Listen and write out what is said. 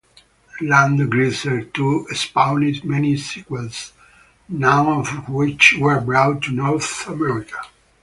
"Langrisser", too, spawned many sequels, none of which were brought to North America.